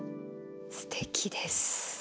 すてきです。